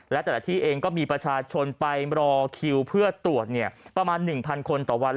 และแต่ละที่เองก็มีประชาชนไปรอคิวเพื่อตรวจประมาณ๑๐๐คนต่อวัน